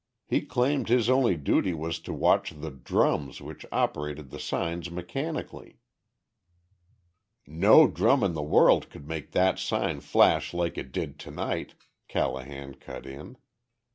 He claimed his only duty was to watch the "drums" which operated the signs mechanically. "No drum in the world could make that sign flash like it did to night," Callahan cut in.